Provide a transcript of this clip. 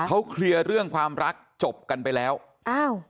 เขาเคลียร์เรื่องความรักจบกันไปแล้วอ้าว